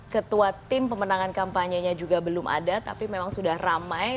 ketua tim pemenangan kampanyenya juga belum ada tapi memang sudah ramai